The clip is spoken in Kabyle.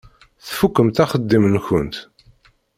Tfukkemt axeddim-nkent?